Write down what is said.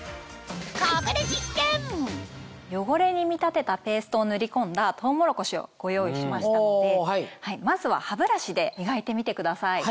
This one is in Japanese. ここで汚れに見立てたペーストを塗り込んだトウモロコシをご用意しましたのでまずは歯ブラシで磨いてみてください。